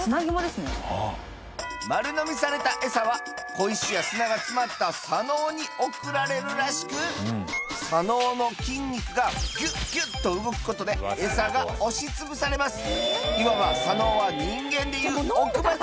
丸のみされたエサは小石や砂が詰まった砂のうに送られるらしく砂のうの筋肉がギュッギュと動くことでエサが押しつぶされます